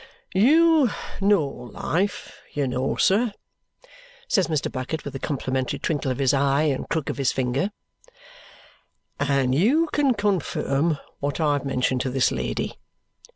"YOU know life, you know, sir," says Mr. Bucket with a complimentary twinkle of his eye and crook of his finger, "and you can confirm what I've mentioned to this lady.